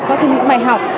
có thêm những bài học